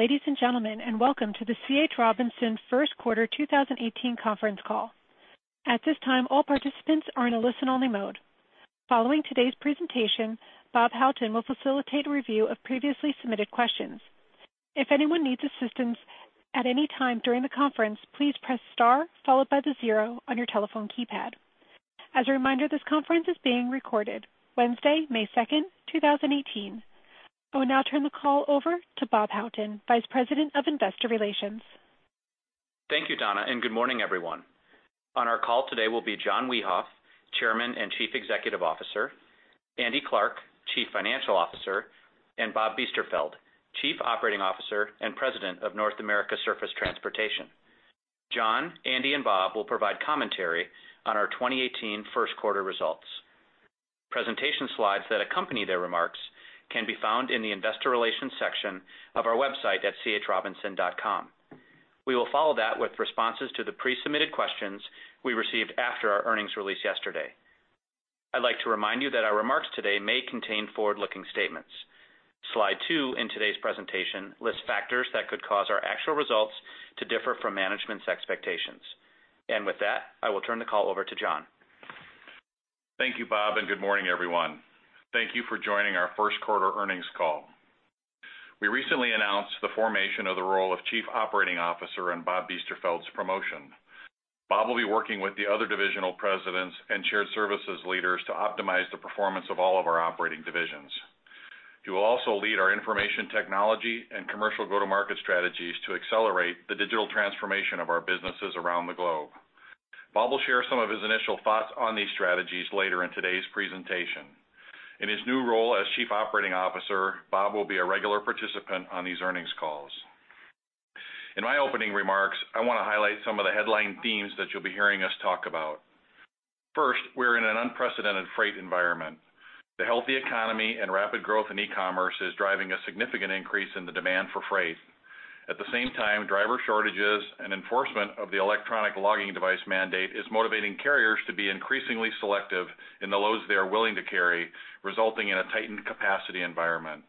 Ladies and gentlemen, welcome to the C. H. Robinson first quarter 2018 conference call. At this time, all participants are in a listen-only mode. Following today's presentation, Bob Houghton will facilitate a review of previously submitted questions. If anyone needs assistance at any time during the conference, please press star followed by the zero on your telephone keypad. As a reminder, this conference is being recorded Wednesday, May 2nd, 2018. I will now turn the call over to Bob Houghton, Vice President of Investor Relations. Thank you, Donna, good morning, everyone. On our call today will be John Wiehoff, Chairman and Chief Executive Officer, Andrew Clarke, Chief Financial Officer, and Robert Biesterfeld, Chief Operating Officer and President of North American Surface Transportation. John, Andy, and Bob will provide commentary on our 2018 first quarter results. Presentation slides that accompany their remarks can be found in the investor relations section of our website at chrobinson.com. We will follow that with responses to the pre-submitted questions we received after our earnings release yesterday. I'd like to remind you that our remarks today may contain forward-looking statements. Slide two in today's presentation lists factors that could cause our actual results to differ from management's expectations. With that, I will turn the call over to John. Thank you, Bob, good morning, everyone. Thank you for joining our first quarter earnings call. We recently announced the formation of the role of Chief Operating Officer and Robert Biesterfeld's promotion. Bob will be working with the other divisional presidents and shared services leaders to optimize the performance of all of our operating divisions. He will also lead our information technology and commercial go-to-market strategies to accelerate the digital transformation of our businesses around the globe. Bob will share some of his initial thoughts on these strategies later in today's presentation. In his new role as Chief Operating Officer, Bob will be a regular participant on these earnings calls. In my opening remarks, I want to highlight some of the headline themes that you'll be hearing us talk about. First, we're in an unprecedented freight environment. The healthy economy and rapid growth in e-commerce is driving a significant increase in the demand for freight. At the same time, driver shortages and enforcement of the electronic logging device mandate is motivating carriers to be increasingly selective in the loads they are willing to carry, resulting in a tightened capacity environment.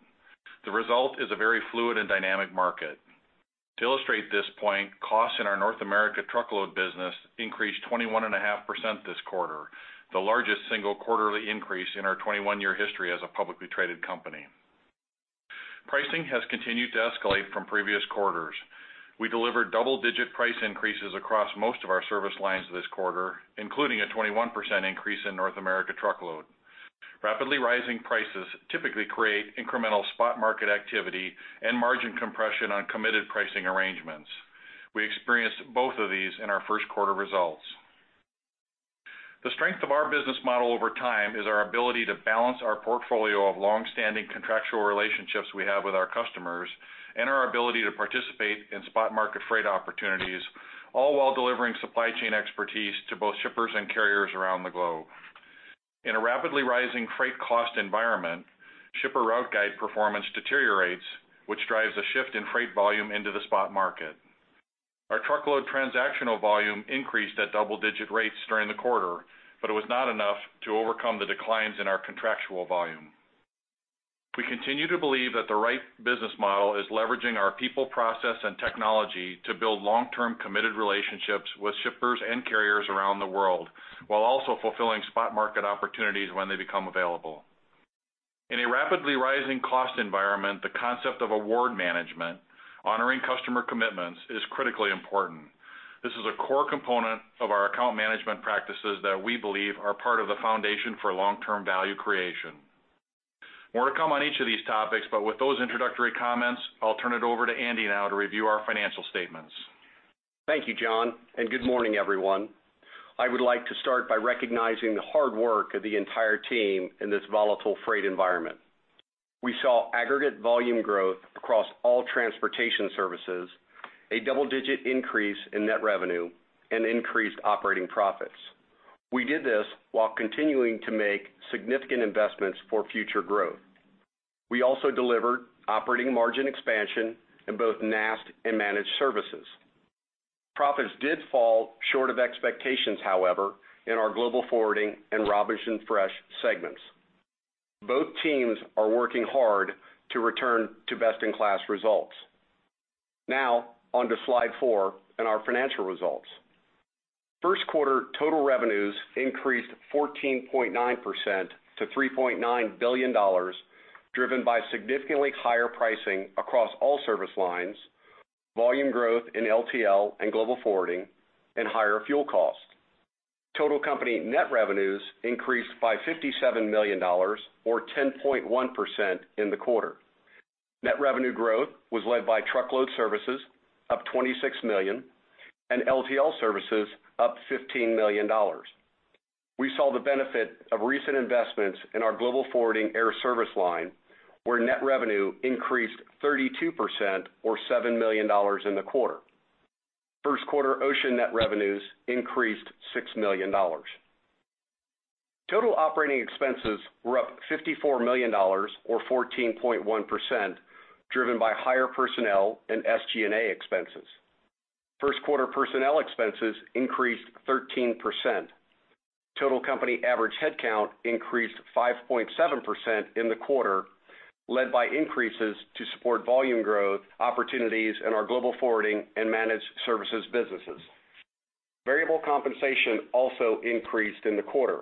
The result is a very fluid and dynamic market. To illustrate this point, costs in our North America truckload business increased 21.5% this quarter, the largest single quarterly increase in our 21-year history as a publicly traded company. Pricing has continued to escalate from previous quarters. We delivered double-digit price increases across most of our service lines this quarter, including a 21% increase in North America truckload. Rapidly rising prices typically create incremental spot market activity and margin compression on committed pricing arrangements. We experienced both of these in our first quarter results. The strength of our business model over time is our ability to balance our portfolio of long-standing contractual relationships we have with our customers and our ability to participate in spot market freight opportunities, all while delivering supply chain expertise to both shippers and carriers around the globe. In a rapidly rising freight cost environment, shipper route guide performance deteriorates, which drives a shift in freight volume into the spot market. Our truckload transactional volume increased at double-digit rates during the quarter, but it was not enough to overcome the declines in our contractual volume. We continue to believe that the right business model is leveraging our people, process, and technology to build long-term, committed relationships with shippers and carriers around the world, while also fulfilling spot market opportunities when they become available. In a rapidly rising cost environment, the concept of award management, honoring customer commitments, is critically important. This is a core component of our account management practices that we believe are part of the foundation for long-term value creation. More to come on each of these topics, with those introductory comments, I'll turn it over to Andy now to review our financial statements. Thank you, John, and good morning, everyone. I would like to start by recognizing the hard work of the entire team in this volatile freight environment. We saw aggregate volume growth across all transportation services, a double-digit increase in net revenue, and increased operating profits. We did this while continuing to make significant investments for future growth. We also delivered operating margin expansion in both NAST and managed services. Profits did fall short of expectations, however, in our Global Forwarding and Robinson Fresh segments. Both teams are working hard to return to best-in-class results. On to slide four and our financial results. First quarter total revenues increased 14.9% to $3.9 billion, driven by significantly higher pricing across all service lines, volume growth in LTL and Global Forwarding, and higher fuel costs. Total company net revenues increased by $57 million, or 10.1% in the quarter. Net revenue growth was led by truckload services, up $26 million, and LTL services, up $15 million. We saw the benefit of recent investments in our Global Forwarding air service line, where net revenue increased 32%, or $7 million in the quarter. First quarter ocean net revenues increased $6 million. Total operating expenses were up $54 million, or 14.1%, driven by higher personnel and SG&A expenses. First quarter personnel expenses increased 13%. Total company average headcount increased 5.7% in the quarter, led by increases to support volume growth opportunities in our Global Forwarding and managed services businesses. Variable compensation also increased in the quarter.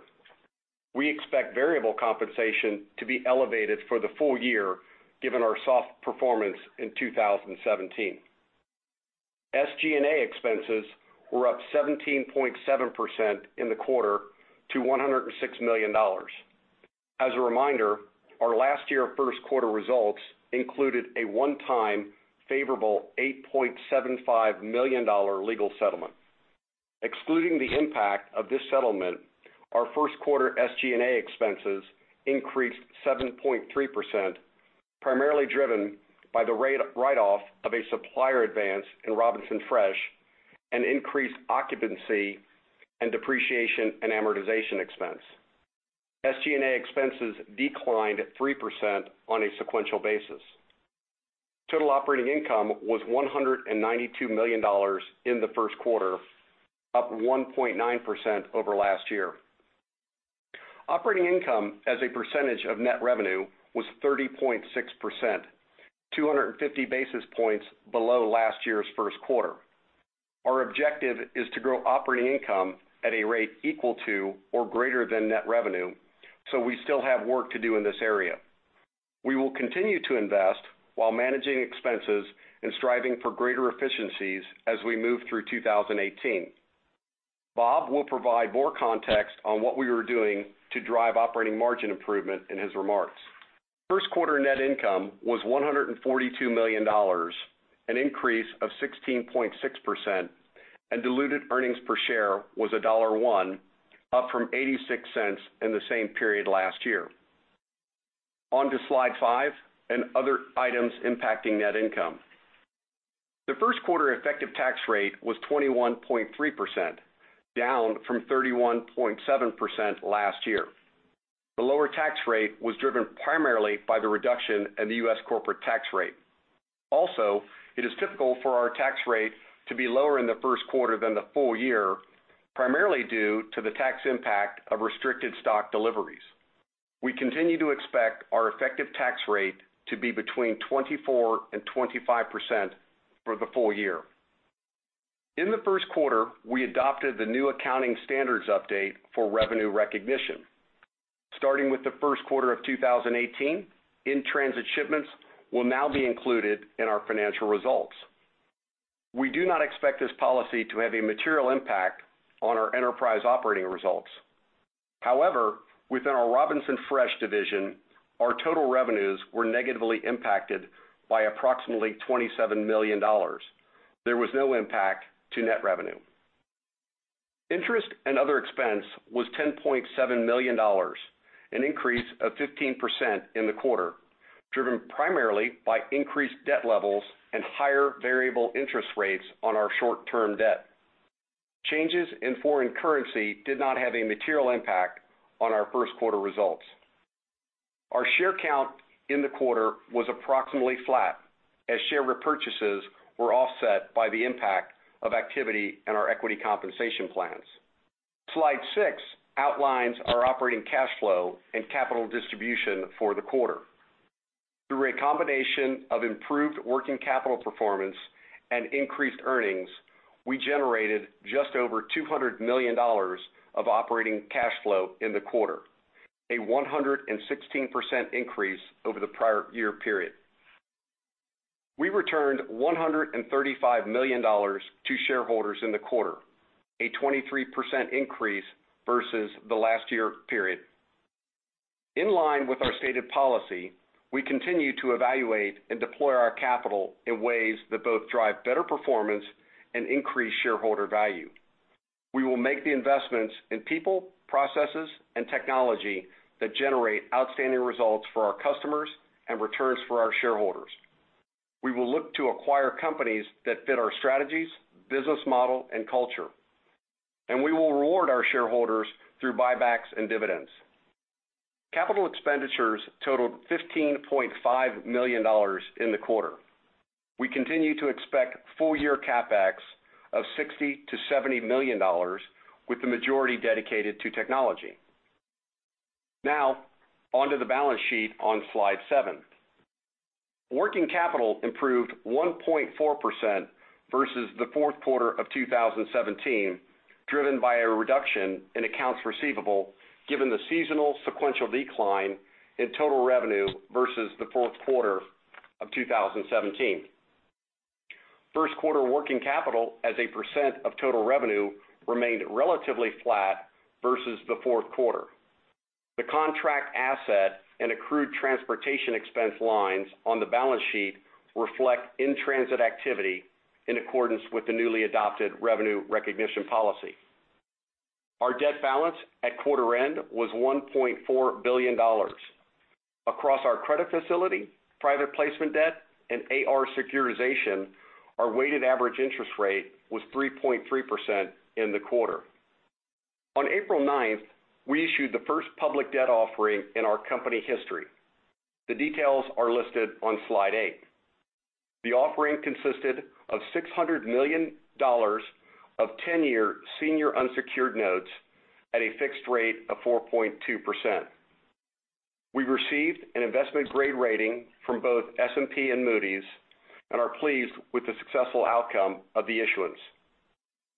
We expect variable compensation to be elevated for the full year given our soft performance in 2017. SG&A expenses were up 17.7% in the quarter to $106 million. As a reminder, our last year first quarter results included a one-time favorable $8.75 million legal settlement. Excluding the impact of this settlement, our first quarter SG&A expenses increased 7.3%, primarily driven by the write-off of a supplier advance in Robinson Fresh and increased occupancy and depreciation and amortization expense. SG&A expenses declined 3% on a sequential basis. Total operating income was $192 million in the first quarter, up 1.9% over last year. Operating income as a percentage of net revenue was 30.6%, 250 basis points below last year's first quarter. Our objective is to grow operating income at a rate equal to or greater than net revenue, so we still have work to do in this area. We will continue to invest while managing expenses and striving for greater efficiencies as we move through 2018. Bob will provide more context on what we are doing to drive operating margin improvement in his remarks. First quarter net income was $142 million, an increase of 16.6%, and diluted earnings per share was $1.01, up from $0.86 in the same period last year. On to slide five and other items impacting net income. The first quarter effective tax rate was 21.3%, down from 31.7% last year. The lower tax rate was driven primarily by the reduction in the U.S. corporate tax rate. Also, it is typical for our tax rate to be lower in the first quarter than the full year, primarily due to the tax impact of restricted stock deliveries. We continue to expect our effective tax rate to be between 24% and 25% for the full year. In the first quarter, we adopted the new accounting standards update for revenue recognition. Starting with the first quarter of 2018, in-transit shipments will now be included in our financial results. We do not expect this policy to have a material impact on our enterprise operating results. However, within our Robinson Fresh division, our total revenues were negatively impacted by approximately $27 million. There was no impact to net revenue. Interest and other expense was $10.7 million, an increase of 15% in the quarter, driven primarily by increased debt levels and higher variable interest rates on our short-term debt. Changes in foreign currency did not have a material impact on our first quarter results. Our share count in the quarter was approximately flat as share repurchases were offset by the impact of activity in our equity compensation plans. Slide six outlines our operating cash flow and capital distribution for the quarter. Through a combination of improved working capital performance and increased earnings, we generated just over $200 million of operating cash flow in the quarter, a 116% increase over the prior year period. We returned $135 million to shareholders in the quarter, a 23% increase versus the last year period. In line with our stated policy, we continue to evaluate and deploy our capital in ways that both drive better performance and increase shareholder value. We will make the investments in people, processes, and technology that generate outstanding results for our customers and returns for our shareholders. We will look to acquire companies that fit our strategies, business model, and culture, and we will reward our shareholders through buybacks and dividends. Capital expenditures totaled $15.5 million in the quarter. We continue to expect full-year CapEx of $60 million-$70 million, with the majority dedicated to technology. On to the balance sheet on slide seven. Working capital improved 1.4% versus the fourth quarter of 2017, driven by a reduction in accounts receivable given the seasonal sequential decline in total revenue versus the fourth quarter of 2017. First quarter working capital as a percent of total revenue remained relatively flat versus the fourth quarter. The contract asset and accrued transportation expense lines on the balance sheet reflect in-transit activity in accordance with the newly adopted revenue recognition policy. Our debt balance at quarter end was $1.4 billion. Across our credit facility, private placement debt, and AR securitization, our weighted average interest rate was 3.3% in the quarter. On April ninth, we issued the first public debt offering in our company history. The details are listed on slide eight. The offering consisted of $600 million of 10-year senior unsecured notes at a fixed rate of 4.2%. We received an investment grade rating from both S&P and Moody's and are pleased with the successful outcome of the issuance.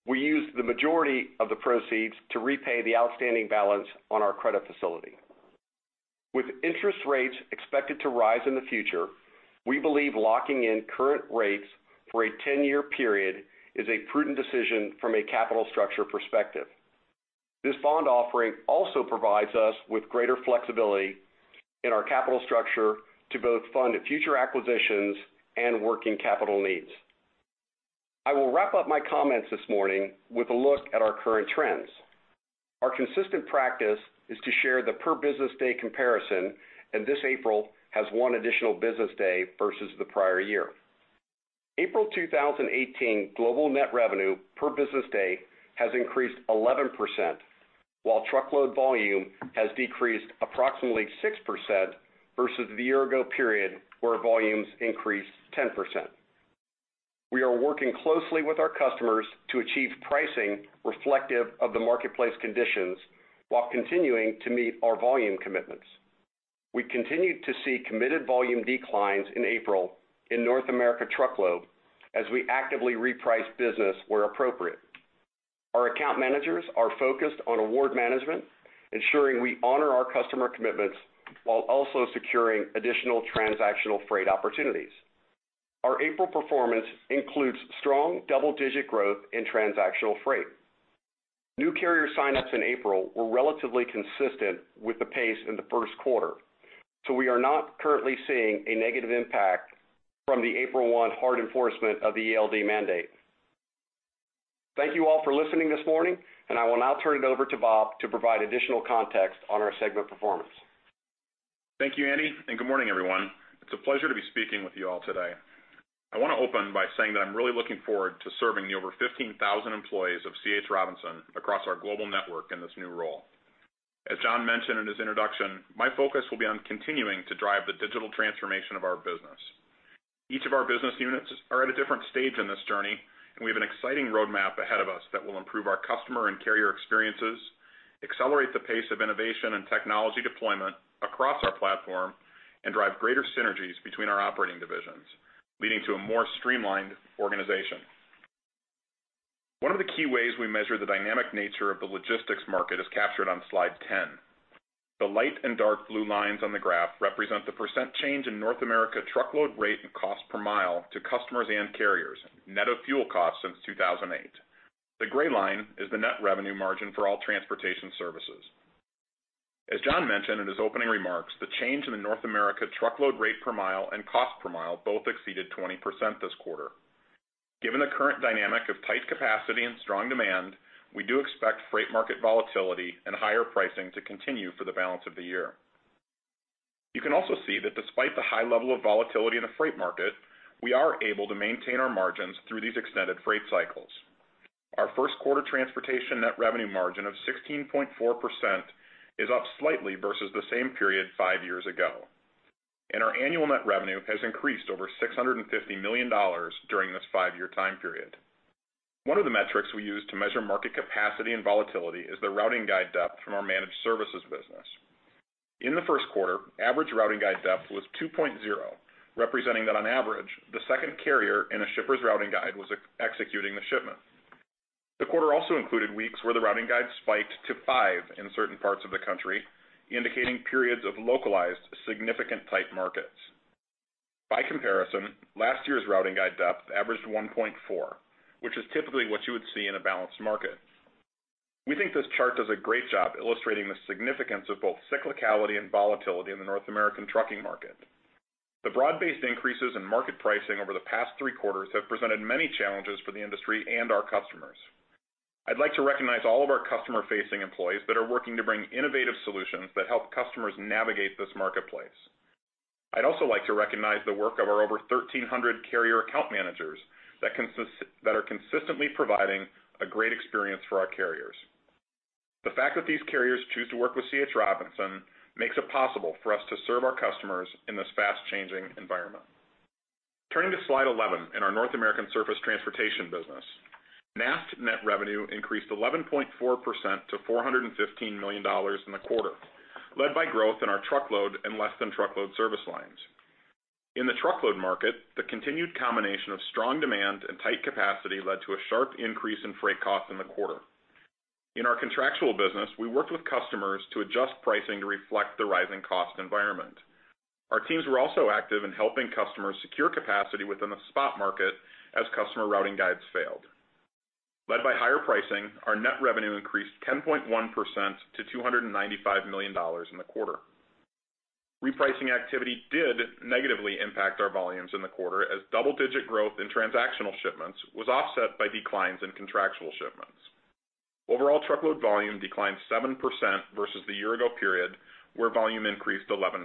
We used the majority of the proceeds to repay the outstanding balance on our credit facility. With interest rates expected to rise in the future, we believe locking in current rates for a 10-year period is a prudent decision from a capital structure perspective. This bond offering also provides us with greater flexibility in our capital structure to both fund future acquisitions and working capital needs. I will wrap up my comments this morning with a look at our current trends. Our consistent practice is to share the per business day comparison. This April has one additional business day versus the prior year. April 2018 global net revenue per business day has increased 11%, while truckload volume has decreased approximately 6% versus the year ago period, where volumes increased 10%. We are working closely with our customers to achieve pricing reflective of the marketplace conditions while continuing to meet our volume commitments. We continued to see committed volume declines in April in North America truckload, as we actively reprice business where appropriate. Our account managers are focused on award management, ensuring we honor our customer commitments while also securing additional transactional freight opportunities. Our April performance includes strong double-digit growth in transactional freight. New carrier signups in April were relatively consistent with the pace in the first quarter. We are not currently seeing a negative impact from the April 1 hard enforcement of the ELD mandate. Thank you all for listening this morning. I will now turn it over to Bob to provide additional context on our segment performance. Thank you, Andy, and good morning, everyone. It's a pleasure to be speaking with you all today. I want to open by saying that I'm really looking forward to serving the over 15,000 employees of C. H. Robinson across our global network in this new role. As John mentioned in his introduction, my focus will be on continuing to drive the digital transformation of our business. Each of our business units are at a different stage in this journey, and we have an exciting roadmap ahead of us that will improve our customer and carrier experiences, accelerate the pace of innovation and technology deployment across our platform, and drive greater synergies between our operating divisions, leading to a more streamlined organization. One of the key ways we measure the dynamic nature of the logistics market is captured on slide 10. The light and dark blue lines on the graph represent the percent change in North America truckload rate and cost per mile to customers and carriers, net of fuel costs since 2008. The gray line is the net revenue margin for all transportation services. As John mentioned in his opening remarks, the change in the North America truckload rate per mile and cost per mile both exceeded 20% this quarter. Given the current dynamic of tight capacity and strong demand, we do expect freight market volatility and higher pricing to continue for the balance of the year. You can also see that despite the high level of volatility in the freight market, we are able to maintain our margins through these extended freight cycles. Our first quarter transportation net revenue margin of 16.4% is up slightly versus the same period five years ago. Our annual net revenue has increased over $650 million during this five-year time period. One of the metrics we use to measure market capacity and volatility is the routing guide depth from our managed services business. In the first quarter, average routing guide depth was 2.0, representing that on average, the second carrier in a shipper's routing guide was executing the shipment. The quarter also included weeks where the routing guide spiked to five in certain parts of the country, indicating periods of localized significant tight markets. By comparison, last year's routing guide depth averaged 1.4, which is typically what you would see in a balanced market. We think this chart does a great job illustrating the significance of both cyclicality and volatility in the North American trucking market. The broad-based increases in market pricing over the past three quarters have presented many challenges for the industry and our customers. I'd like to recognize all of our customer-facing employees that are working to bring innovative solutions that help customers navigate this marketplace. I'd also like to recognize the work of our over 1,300 carrier account managers that are consistently providing a great experience for our carriers. The fact that these carriers choose to work with C. H. Robinson makes it possible for us to serve our customers in this fast-changing environment. Turning to slide 11 in our North American Surface Transportation business. NAST net revenue increased 11.4% to $415 million in the quarter, led by growth in our truckload and Less-than-Truckload service lines. In the truckload market, the continued combination of strong demand and tight capacity led to a sharp increase in freight cost in the quarter. In our contractual business, we worked with customers to adjust pricing to reflect the rising cost environment. Our teams were also active in helping customers secure capacity within the spot market as customer routing guides failed. Led by higher pricing, our net revenue increased 10.1% to $295 million in the quarter. Repricing activity did negatively impact our volumes in the quarter as double-digit growth in transactional shipments was offset by declines in contractual shipments. Overall truckload volume declined 7% versus the year ago period where volume increased 11%.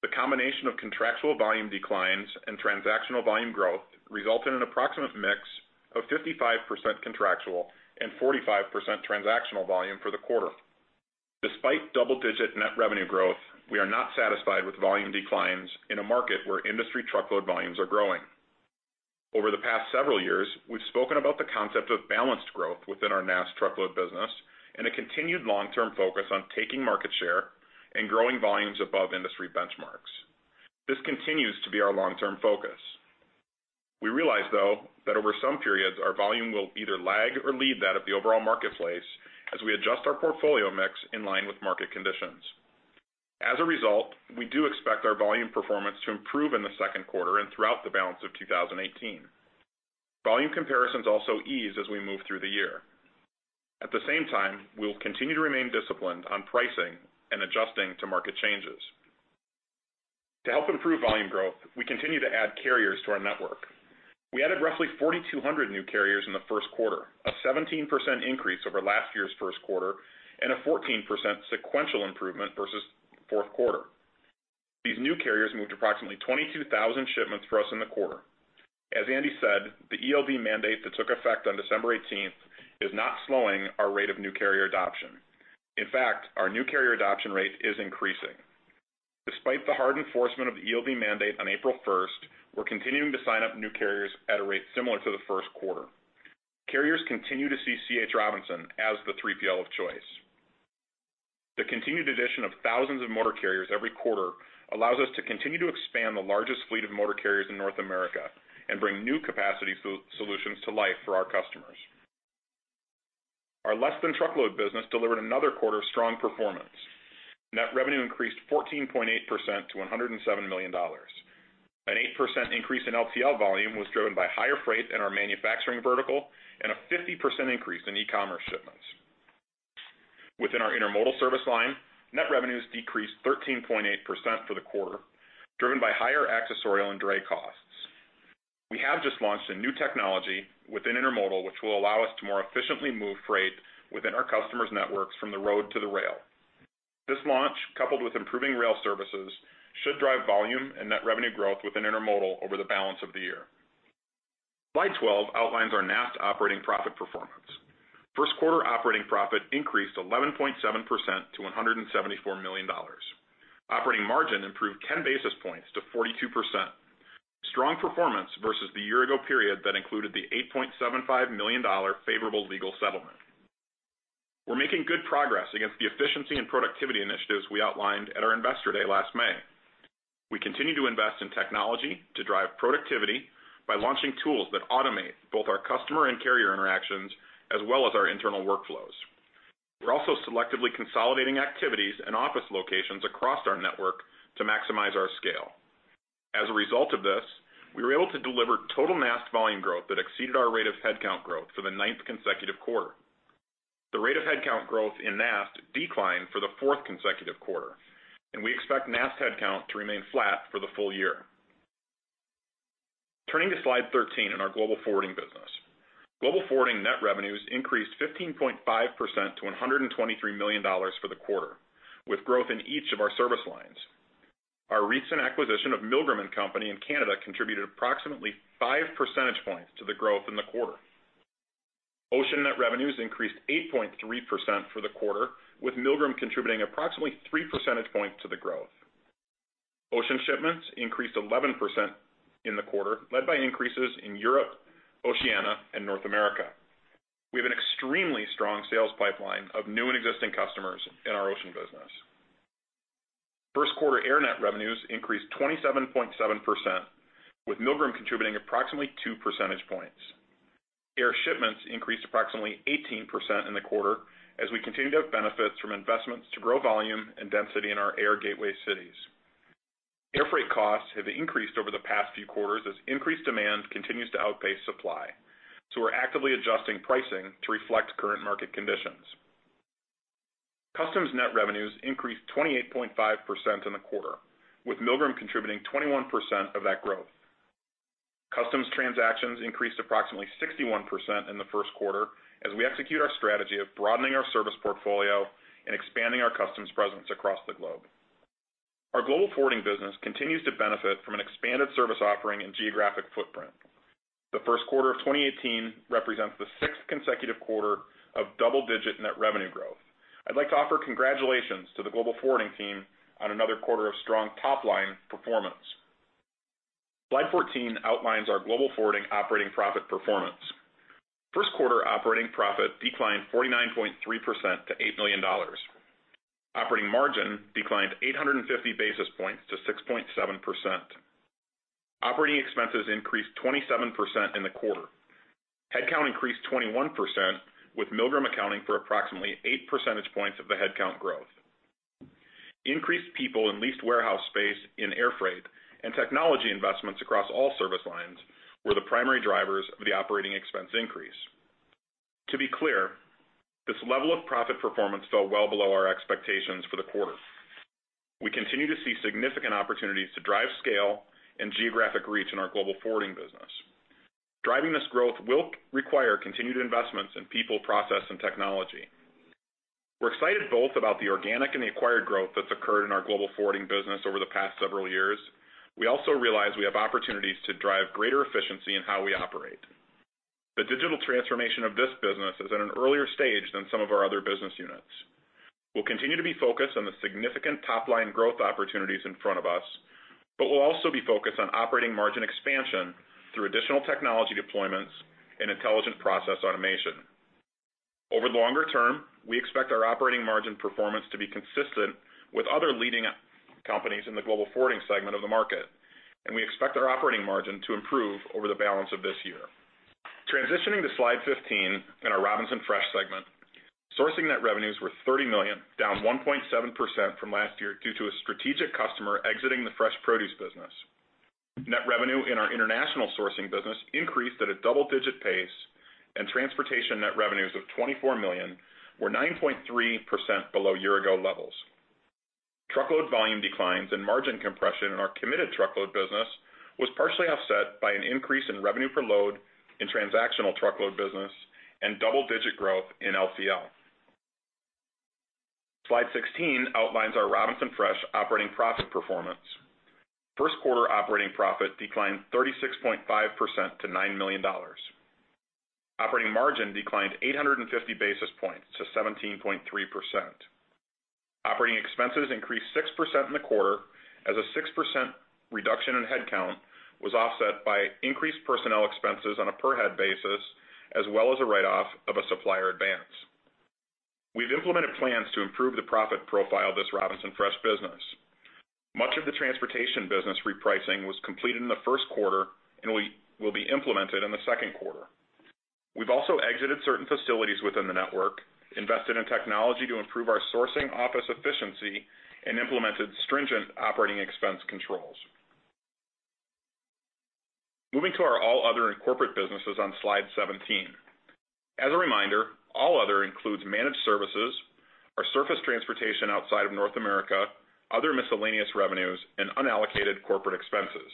The combination of contractual volume declines and transactional volume growth result in an approximate mix of 55% contractual and 45% transactional volume for the quarter. Despite double-digit net revenue growth, we are not satisfied with volume declines in a market where industry truckload volumes are growing. Over the past several years, we've spoken about the concept of balanced growth within our NAST truckload business and a continued long-term focus on taking market share and growing volumes above industry benchmarks. This continues to be our long-term focus. We realize, though, that over some periods, our volume will either lag or lead that of the overall marketplace as we adjust our portfolio mix in line with market conditions. As a result, we do expect our volume performance to improve in the second quarter and throughout the balance of 2018. Volume comparisons also ease as we move through the year. At the same time, we will continue to remain disciplined on pricing and adjusting to market changes. To help improve volume growth, we continue to add carriers to our network. We added roughly 4,200 new carriers in the first quarter, a 17% increase over last year's first quarter, and a 14% sequential improvement versus fourth quarter. These new carriers moved approximately 22,000 shipments for us in the quarter. As Andy said, the ELD mandate that took effect on December 18th is not slowing our rate of new carrier adoption. In fact, our new carrier adoption rate is increasing. Despite the hard enforcement of the ELD mandate on April 1st, we're continuing to sign up new carriers at a rate similar to the first quarter. Carriers continue to see C. H. Robinson as the 3PL of choice. The continued addition of thousands of motor carriers every quarter allows us to continue to expand the largest fleet of motor carriers in North America and bring new capacity solutions to life for our customers. Our less than truckload business delivered another quarter of strong performance. Net revenue increased 14.8% to $107 million. An 8% increase in LTL volume was driven by higher freight in our manufacturing vertical and a 50% increase in e-commerce shipments. Within our intermodal service line, net revenues decreased 13.8% for the quarter, driven by higher accessorial and dray costs. We have just launched a new technology within intermodal, which will allow us to more efficiently move freight within our customers' networks from the road to the rail. This launch, coupled with improving rail services, should drive volume and net revenue growth within intermodal over the balance of the year. Slide 12 outlines our NAST operating profit performance. First quarter operating profit increased 11.7% to $174 million. Operating margin improved 10 basis points to 42%. Strong performance versus the year ago period that included the $8.75 million favorable legal settlement. We're making good progress against the efficiency and productivity initiatives we outlined at our Investor Day last May. We continue to invest in technology to drive productivity by launching tools that automate both our customer and carrier interactions, as well as our internal workflows. We're also selectively consolidating activities and office locations across our network to maximize our scale. As a result of this, we were able to deliver total NAST volume growth that exceeded our rate of headcount growth for the ninth consecutive quarter. The rate of headcount growth in NAST declined for the fourth consecutive quarter, and we expect NAST headcount to remain flat for the full year. Turning to slide 13 in our Global Forwarding business. Global Forwarding net revenues increased 15.5% to $123 million for the quarter, with growth in each of our service lines. Our recent acquisition of Milgram & Company in Canada contributed approximately five percentage points to the growth in the quarter. Ocean net revenues increased 8.3% for the quarter, with Milgram contributing approximately three percentage points to the growth. Ocean shipments increased 11% in the quarter, led by increases in Europe, Oceania, and North America. We have an extremely strong sales pipeline of new and existing customers in our ocean business. First quarter air net revenues increased 27.7%, with Milgram contributing approximately two percentage points. Air shipments increased approximately 18% in the quarter as we continue to have benefits from investments to grow volume and density in our air gateway cities. Airfreight costs have increased over the past few quarters as increased demand continues to outpace supply. We're actively adjusting pricing to reflect current market conditions. Customs net revenues increased 28.5% in the quarter, with Milgram contributing 21% of that growth. Customs transactions increased approximately 61% in the first quarter as we execute our strategy of broadening our service portfolio and expanding our customs presence across the globe. Our Global Forwarding business continues to benefit from an expanded service offering and geographic footprint. The first quarter of 2018 represents the sixth consecutive quarter of double-digit net revenue growth. I'd like to offer congratulations to the Global Forwarding team on another quarter of strong top-line performance. Slide 14 outlines our Global Forwarding operating profit performance. First quarter operating profit declined 49.3% to $8 million. Operating margin declined 850 basis points to 6.7%. Operating expenses increased 27% in the quarter. Headcount increased 21%, with Milgram accounting for approximately eight percentage points of the headcount growth. Increased people and leased warehouse space in airfreight and technology investments across all service lines were the primary drivers of the operating expense increase. To be clear, this level of profit performance fell well below our expectations for the quarter. We continue to see significant opportunities to drive scale and geographic reach in our Global Forwarding business. Driving this growth will require continued investments in people, process, and technology. We're excited both about the organic and the acquired growth that's occurred in our Global Forwarding business over the past several years. We also realize we have opportunities to drive greater efficiency in how we operate. The digital transformation of this business is at an earlier stage than some of our other business units. We'll continue to be focused on the significant top-line growth opportunities in front of us, but we'll also be focused on operating margin expansion through additional technology deployments and intelligent process automation. Over the longer term, we expect our operating margin performance to be consistent with other leading companies in the Global Forwarding segment of the market, and we expect our operating margin to improve over the balance of this year. Transitioning to slide 15 in our Robinson Fresh segment, sourcing net revenues were $30 million, down 1.7% from last year, due to a strategic customer exiting the fresh produce business. Net revenue in our international sourcing business increased at a double-digit pace, and transportation net revenues of $24 million were 9.3% below year-ago levels. Truckload volume declines and margin compression in our committed truckload business was partially offset by an increase in revenue per load in transactional truckload business and double-digit growth in LCL. Slide 16 outlines our Robinson Fresh operating profit performance. First quarter operating profit declined 36.5% to $9 million. Operating margin declined 850 basis points to 17.3%. Operating expenses increased 6% in the quarter as a 6% reduction in headcount was offset by increased personnel expenses on a per-head basis, as well as a write-off of a supplier advance. We've implemented plans to improve the profit profile of this Robinson Fresh business. Much of the transportation business repricing was completed in the first quarter and will be implemented in the second quarter. We've also exited certain facilities within the network, invested in technology to improve our sourcing office efficiency, and implemented stringent operating expense controls. Moving to our all other and corporate businesses on Slide 17. As a reminder, all other includes managed services, our surface transportation outside of North America, other miscellaneous revenues, and unallocated corporate expenses.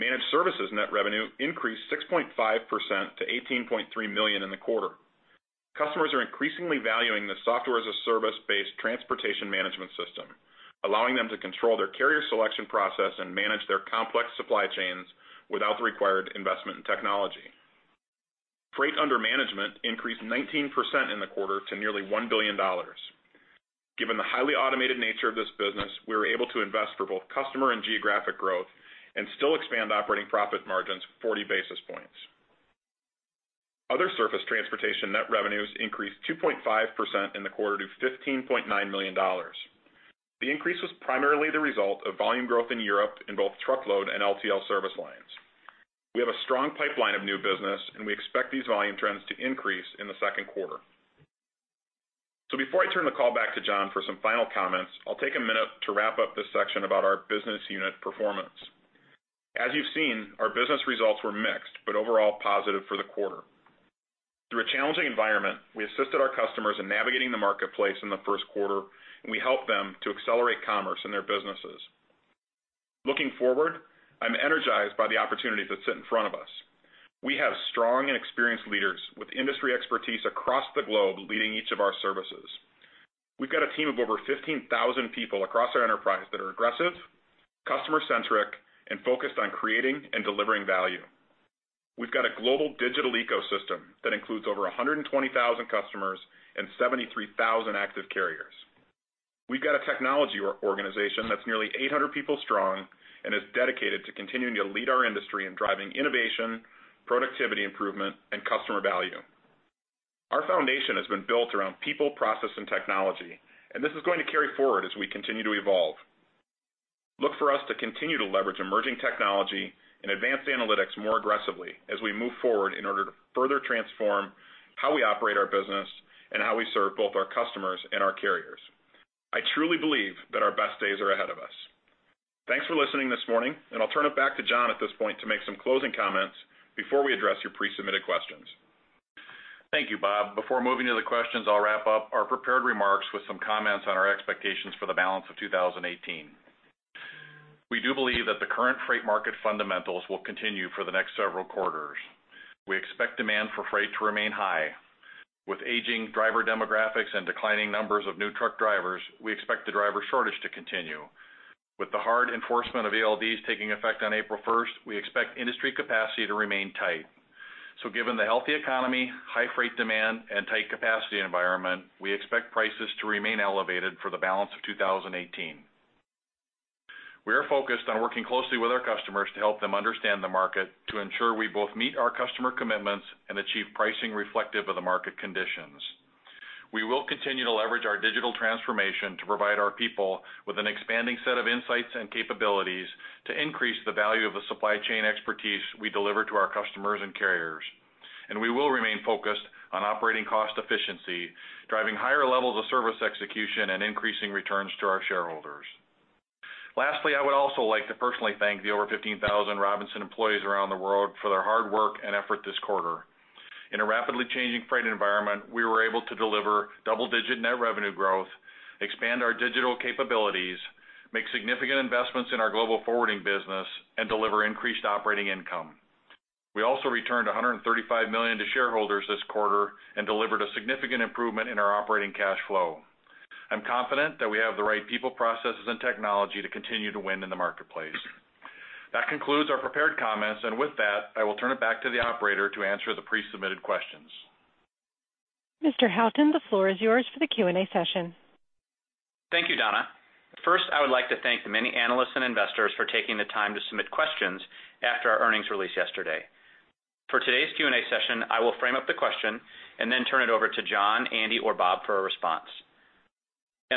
Managed services net revenue increased 6.5% to $18.3 million in the quarter. Customers are increasingly valuing the software-as-a-service-based transportation management system, allowing them to control their carrier selection process and manage their complex supply chains without the required investment in technology. Freight under management increased 19% in the quarter to nearly $1 billion. Given the highly automated nature of this business, we were able to invest for both customer and geographic growth and still expand operating profit margins 40 basis points. Other surface transportation net revenues increased 2.5% in the quarter to $15.9 million. The increase was primarily the result of volume growth in Europe in both truckload and LTL service lines. Before I turn the call back to John for some final comments, I'll take a minute to wrap up this section about our business unit performance. As you've seen, our business results were mixed, but overall positive for the quarter. Through a challenging environment, we assisted our customers in navigating the marketplace in the first quarter, and we helped them to accelerate commerce in their businesses. Looking forward, I'm energized by the opportunities that sit in front of us. We have strong and experienced leaders with industry expertise across the globe leading each of our services. We've got a team of over 15,000 people across our enterprise that are aggressive, customer centric, and focused on creating and delivering value. We've got a global digital ecosystem that includes over 120,000 customers and 73,000 active carriers. We've got a technology organization that's nearly 800 people strong and is dedicated to continuing to lead our industry in driving innovation, productivity improvement, and customer value. Our foundation has been built around people, process, and technology. This is going to carry forward as we continue to evolve. Look for us to continue to leverage emerging technology and advanced analytics more aggressively as we move forward in order to further transform how we operate our business and how we serve both our customers and our carriers. I truly believe that our best days are ahead of us. Thanks for listening this morning. I'll turn it back to John at this point to make some closing comments before we address your pre-submitted questions. Thank you, Bob. Before moving to the questions, I'll wrap up our prepared remarks with some comments on our expectations for the balance of 2018. We do believe that the current freight market fundamentals will continue for the next several quarters. We expect demand for freight to remain high. With aging driver demographics and declining numbers of new truck drivers, we expect the driver shortage to continue. With the hard enforcement of ELDs taking effect on April 1st, we expect industry capacity to remain tight. Given the healthy economy, high freight demand, and tight capacity environment, we expect prices to remain elevated for the balance of 2018. We are focused on working closely with our customers to help them understand the market to ensure we both meet our customer commitments and achieve pricing reflective of the market conditions. We will continue to leverage our digital transformation to provide our people with an expanding set of insights and capabilities to increase the value of the supply chain expertise we deliver to our customers and carriers. We will remain focused on operating cost efficiency, driving higher levels of service execution, and increasing returns to our shareholders. Lastly, I would also like to personally thank the over 15,000 Robinson employees around the world for their hard work and effort this quarter. In a rapidly changing freight environment, we were able to deliver double-digit net revenue growth, expand our digital capabilities, make significant investments in our Global Forwarding business, and deliver increased operating income. We also returned $135 million to shareholders this quarter and delivered a significant improvement in our operating cash flow. I'm confident that we have the right people, processes, and technology to continue to win in the marketplace. That concludes our prepared comments. With that, I will turn it back to the operator to answer the pre-submitted questions. Mr. Houghton, the floor is yours for the Q&A session. Thank you, Donna. First, I would like to thank the many analysts and investors for taking the time to submit questions after our earnings release yesterday. For today's Q&A session, I will frame up the question and then turn it over to John, Andy, or Bob for a response.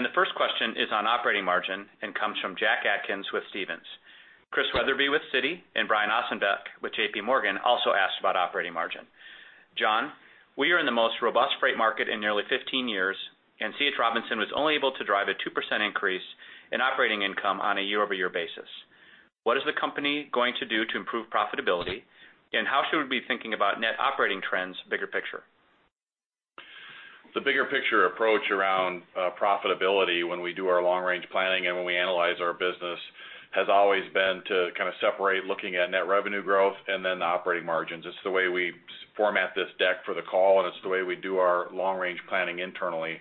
The first question is on operating margin and comes from Jack Atkins with Stephens. Christian Wetherbee with Citi and Brian Ossenbeck with J.P. Morgan also asked about operating margin. John, we are in the most robust freight market in nearly 15 years, and C. H. Robinson was only able to drive a 2% increase in operating income on a year-over-year basis. What is the company going to do to improve profitability, and how should we be thinking about net operating trends bigger picture? The bigger picture approach around profitability when we do our long-range planning and when we analyze our business has always been to kind of separate looking at net revenue growth and then the operating margins. It's the way we format this deck for the call, and it's the way we do our long-range planning internally.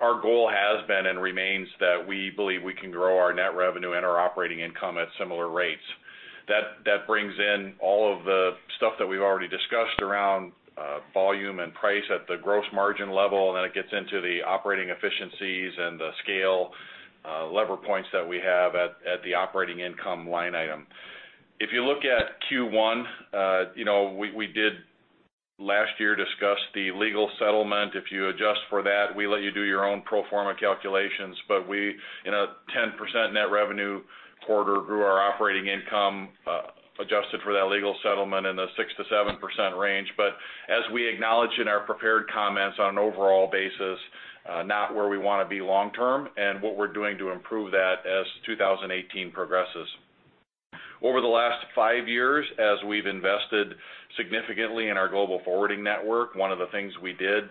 Our goal has been and remains that we believe we can grow our net revenue and our operating income at similar rates. That brings in all of the stuff that we've already discussed around volume and price at the gross margin level, and then it gets into the operating efficiencies and the scale lever points that we have at the operating income line item. If you look at Q1, we did, last year, discuss the legal settlement. If you adjust for that, we let you do your own pro forma calculations. We in a 10% net revenue quarter grew our operating income, adjusted for that legal settlement, in the 6%-7% range. As we acknowledge in our prepared comments on an overall basis, not where we want to be long term and what we're doing to improve that as 2018 progresses. Over the last five years, as we've invested significantly in our Global Forwarding network, one of the things we did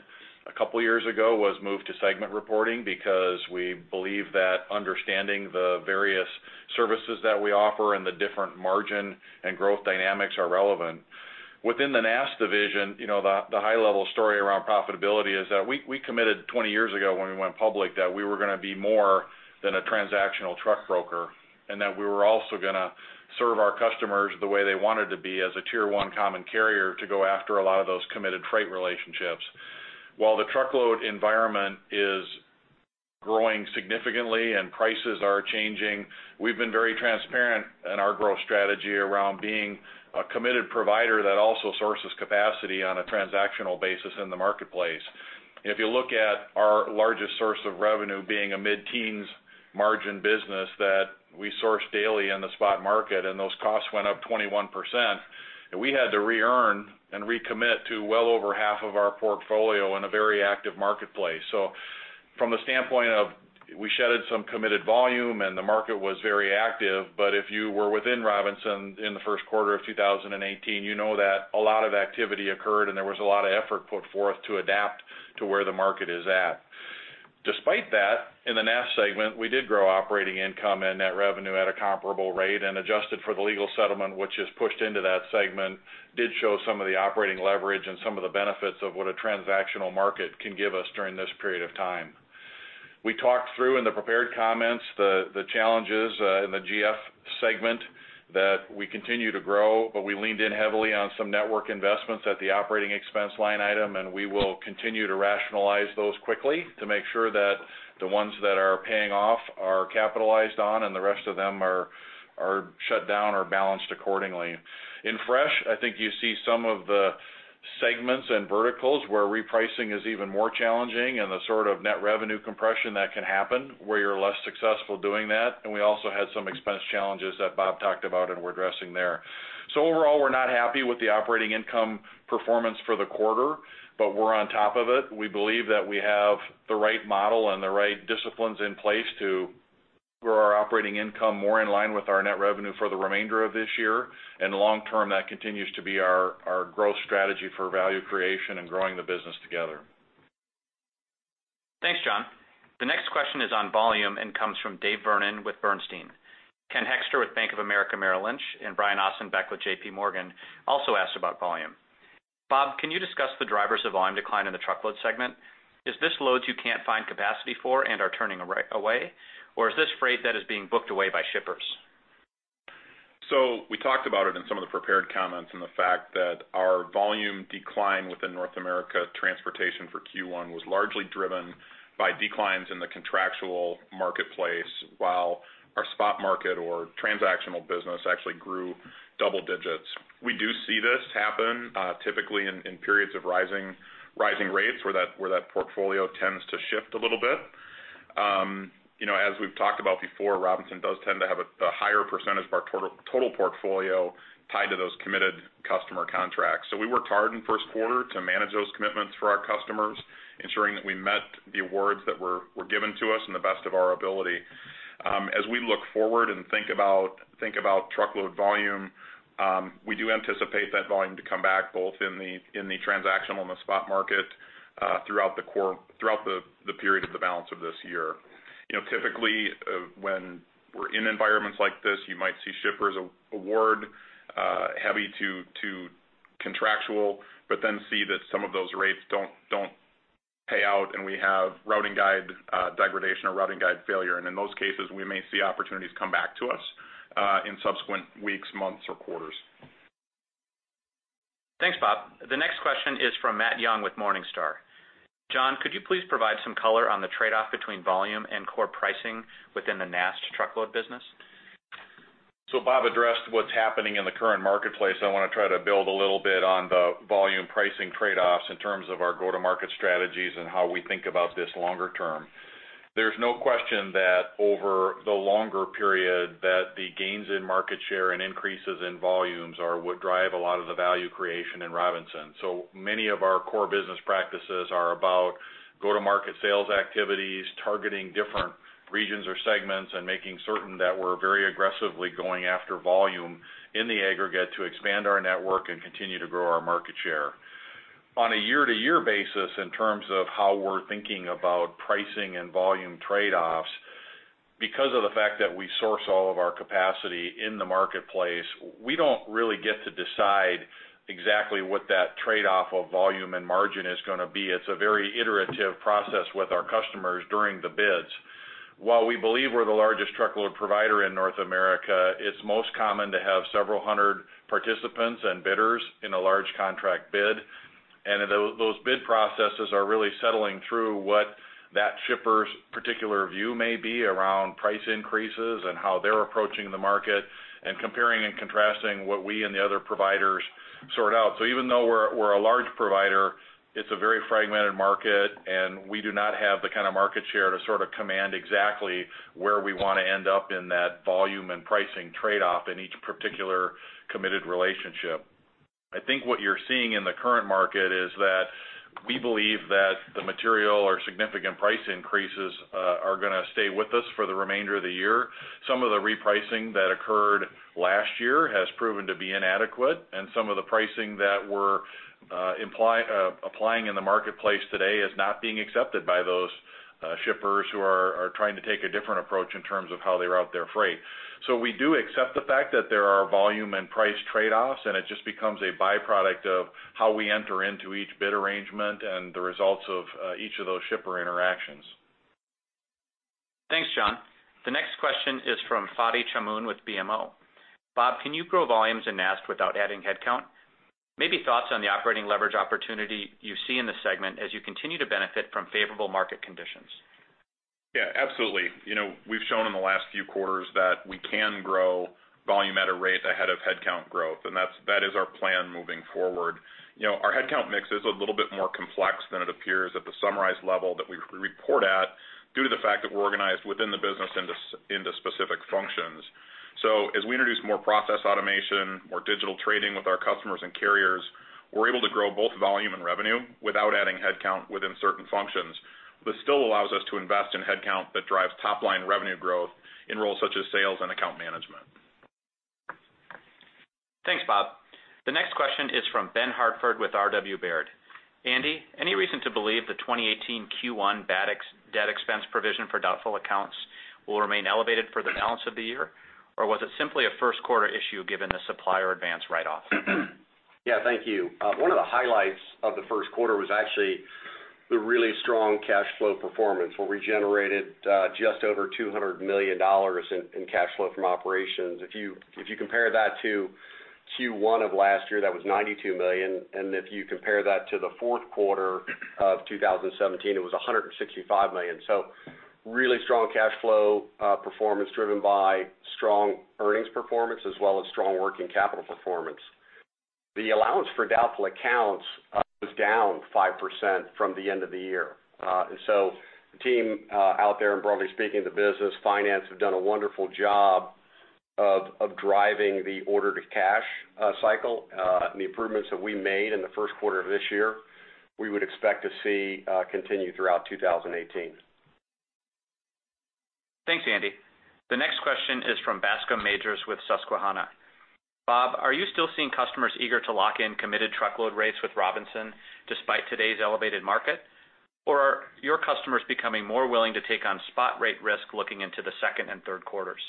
a couple of years ago was move to segment reporting because we believe that understanding the various services that we offer and the different margin and growth dynamics are relevant. Within the NAST division, the high-level story around profitability is that we committed 20 years ago when we went public that we were going to be more than a transactional truck broker, and that we were also going to serve our customers the way they wanted to be as a tier-1 common carrier to go after a lot of those committed freight relationships. While the truckload environment is growing significantly and prices are changing, we've been very transparent in our growth strategy around being a committed provider that also sources capacity on a transactional basis in the marketplace. If you look at our largest source of revenue being a mid-teens margin business that we source daily in the spot market, those costs went up 21%, and we had to re-earn and recommit to well over half of our portfolio in a very active marketplace. From the standpoint of we shedded some committed volume and the market was very active. If you were within Robinson in the first quarter of 2018, you know that a lot of activity occurred, and there was a lot of effort put forth to adapt to where the market is at. Despite that, in the NAST segment, we did grow operating income and net revenue at a comparable rate and adjusted for the legal settlement, which is pushed into that segment, did show some of the operating leverage and some of the benefits of what a transactional market can give us during this period of time. We talked through in the prepared comments the challenges in the GF segment that we continue to grow, but we leaned in heavily on some network investments at the operating expense line item, and we will continue to rationalize those quickly to make sure that the ones that are paying off are capitalized on and the rest of them are shut down or balanced accordingly. In fresh, I think you see some of the segments and verticals where repricing is even more challenging and the sort of net revenue compression that can happen where you're less successful doing that. We also had some expense challenges that Bob talked about and we're addressing there. Overall, we're not happy with the operating income performance for the quarter, but we're on top of it. We believe that we have the right model and the right disciplines in place to grow our operating income more in line with our net revenue for the remainder of this year. Long term, that continues to be our growth strategy for value creation and growing the business together. Thanks, John. The next question is on volume and comes from David Vernon with Bernstein. Ken Hoexter with Bank of America Merrill Lynch, and Brian Ossenbeck with J.P. Morgan also asked about volume. Bob, can you discuss the drivers of volume decline in the truckload segment? Is this loads you can't find capacity for and are turning away? Or is this freight that is being booked away by shippers? We talked about it in some of the prepared comments and the fact that our volume decline within North America Transportation for Q1 was largely driven by declines in the contractual marketplace while our spot market or transactional business actually grew double digits. We do see this happen, typically in periods of rising rates where that portfolio tends to shift a little bit. As we've talked about before, Robinson does tend to have a higher percentage of our total portfolio tied to those committed customer contracts. We worked hard in the first quarter to manage those commitments for our customers, ensuring that we met the awards that were given to us in the best of our ability. As we look forward and think about truckload volume, we do anticipate that volume to come back both in the transactional and the spot market, throughout the period of the balance of this year. Typically, when we're in environments like this, you might see shippers award heavy to contractual, then see that some of those rates don't. Pay out and we have routing guide degradation or routing guide failure. In those cases, we may see opportunities come back to us, in subsequent weeks, months, or quarters. Thanks, Bob. The next question is from Matthew Young with Morningstar. John, could you please provide some color on the trade-off between volume and core pricing within the NAST truckload business? Bob addressed what's happening in the current marketplace. I want to try to build a little bit on the volume pricing trade-offs in terms of our go-to-market strategies and how we think about this longer term. There's no question that over the longer period that the gains in market share and increases in volumes are what drive a lot of the value creation in Robinson. Many of our core business practices are about go-to-market sales activities, targeting different regions or segments, and making certain that we're very aggressively going after volume in the aggregate to expand our network and continue to grow our market share. On a year-to-year basis, in terms of how we're thinking about pricing and volume trade-offs, because of the fact that we source all of our capacity in the marketplace, we don't really get to decide exactly what that trade-off of volume and margin is going to be. It's a very iterative process with our customers during the bids. While we believe we're the largest truckload provider in North America, it's most common to have several hundred participants and bidders in a large contract bid. Those bid processes are really settling through what that shipper's particular view may be around price increases and how they're approaching the market and comparing and contrasting what we and the other providers sort out. Even though we're a large provider, it's a very fragmented market, and we do not have the kind of market share to sort of command exactly where we want to end up in that volume and pricing trade-off in each particular committed relationship. I think what you're seeing in the current market is that we believe that the material or significant price increases are going to stay with us for the remainder of the year. Some of the repricing that occurred last year has proven to be inadequate, and some of the pricing that we're applying in the marketplace today is not being accepted by those shippers who are trying to take a different approach in terms of how they route their freight. We do accept the fact that there are volume and price trade-offs, and it just becomes a byproduct of how we enter into each bid arrangement and the results of each of those shipper interactions. Thanks, John. The next question is from Fadi Chamoun with BMO. Bob, can you grow volumes in NAST without adding headcount? Maybe thoughts on the operating leverage opportunity you see in the segment as you continue to benefit from favorable market conditions. Yeah, absolutely. We've shown in the last few quarters that we can grow volume at a rate ahead of headcount growth, and that is our plan moving forward. Our headcount mix is a little bit more complex than it appears at the summarized level that we report at due to the fact that we're organized within the business into specific functions. As we introduce more process automation, more digital trading with our customers and carriers, we're able to grow both volume and revenue without adding headcount within certain functions. This still allows us to invest in headcount that drives top-line revenue growth in roles such as sales and account management. Thanks, Bob. The next question is from Ben Hartford with RW Baird. Andy, any reason to believe the 2018 Q1 bad debt expense provision for doubtful accounts will remain elevated for the balance of the year? Was it simply a first quarter issue given the supplier advance write-off? Thank you. One of the highlights of the first quarter was actually the really strong cash flow performance, where we generated just over $200 million in cash flow from operations. If you compare that to Q1 of last year, that was $92 million. If you compare that to the fourth quarter of 2017, it was $165 million. Really strong cash flow performance driven by strong earnings performance as well as strong working capital performance. The allowance for doubtful accounts was down 5% from the end of the year. The team out there, and broadly speaking, the business finance have done a wonderful job of driving the order-to-cash cycle. The improvements that we made in the first quarter of this year, we would expect to see continue throughout 2018. Thanks, Andy. The next question is from Bascom Majors with Susquehanna. Bob, are you still seeing customers eager to lock in committed truckload rates with Robinson despite today's elevated market? Are your customers becoming more willing to take on spot rate risk looking into the second and third quarters?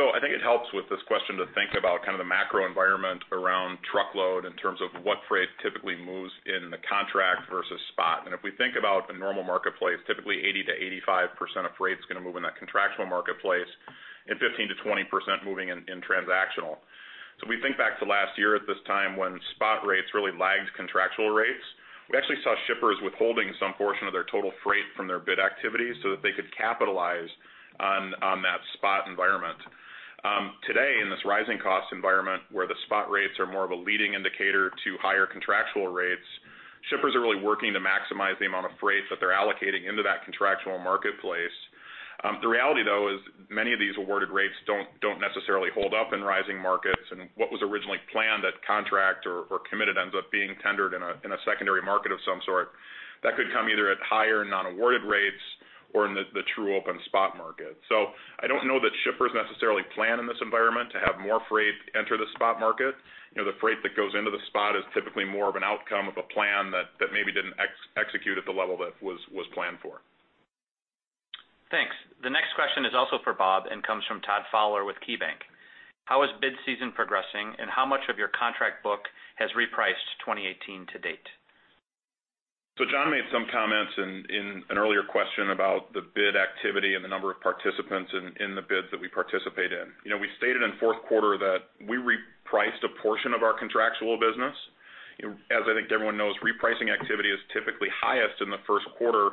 I think it helps with this question to think about kind of the macro environment around truckload in terms of what freight typically moves in the contract versus spot. If we think about the normal marketplace, typically 80%-85% of freight is going to move in that contractual marketplace and 15%-20% moving in transactional. We think back to last year at this time when spot rates really lagged contractual rates. We actually saw shippers withholding some portion of their total freight from their bid activities so that they could capitalize on that spot environment. Today, in this rising cost environment where the spot rates are more of a leading indicator to higher contractual rates, shippers are really working to maximize the amount of freight that they're allocating into that contractual marketplace. The reality, though, is many of these awarded rates don't necessarily hold up in rising markets. What was originally planned at contract or committed ends up being tendered in a secondary market of some sort. That could come either at higher non-awarded rates or in the true open spot market. I don't know that shippers necessarily plan in this environment to have more freight enter the spot market. The freight that goes into the spot is typically more of an outcome of a plan that maybe didn't execute at the level that was planned for. Thanks. The next question is also for Bob and comes from Todd Fowler with KeyBanc. How is bid season progressing, and how much of your contract book has repriced 2018 to date? John made some comments in an earlier question about the bid activity and the number of participants in the bids that we participate in. We stated in the fourth quarter that we repriced a portion of our contractual business. I think everyone knows, repricing activity is typically highest in the first quarter,